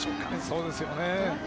そうですよね。